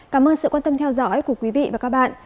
cảm ơn sự quan tâm theo dõi của quý vị và các bạn